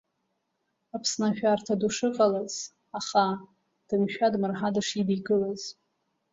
Аԥсны ашәарҭа ду шыҟалаз, аха дымшәа-дмырҳа дышидикылаз.